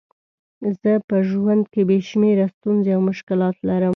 زه په ژوند کې بې شمېره ستونزې او مشکلات لرم.